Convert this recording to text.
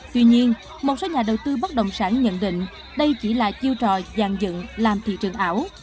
tuy nhiên một số nhà đầu tư bất động sản nhận định đây chỉ là chiêu trò dàn dựng làm thị trường ảo